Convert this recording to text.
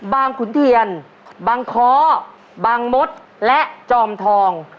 ขุนเทียนบางค้อบางมดและจอมทอง